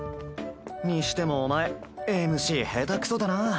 にしてもお前ＭＣ下手くそだな。